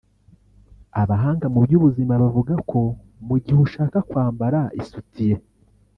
Abahanga mu by’ubuzima bavuga ko mu gihe ushaka kwambara isutiye